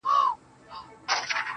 هره شېبه.